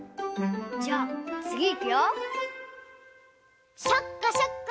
じゃあつぎいくよ。